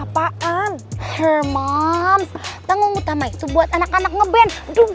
pertama buat apaan